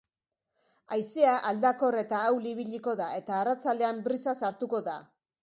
Haizea aldakor eta ahul ibiliko da eta arratsaldean brisa sartuko da.